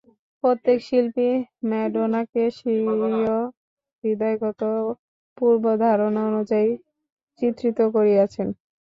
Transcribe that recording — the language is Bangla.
প্রত্যেক শিল্পী ম্যাডোনাকে স্বীয় হৃদয়গত পূর্বধারণানুযায়ী চিত্রিত করিয়াছেন।